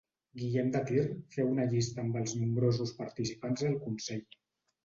Guillem de Tir feu una llista amb els nombrosos participants del consell.